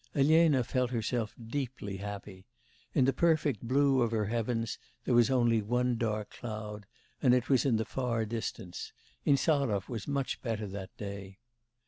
Elena felt herself deeply happy; in the perfect blue of her heavens there was only one dark cloud and it was in the far distance; Insarov was much better that day.